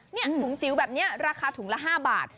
นี่ถุงจิ๋วแบบนี้ราคาถุงละ๕บาท